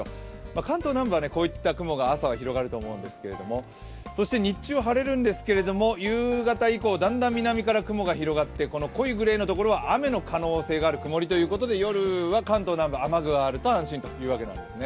関東南部はこういった雲が朝は広がると思うんですけどそして日中は晴れるんですが、夕方以降、だんだん南から雲が広がって、濃いグレーのところは雨の可能性がある曇りということで夜は関東南部、雨具があると安心というわけなんですね。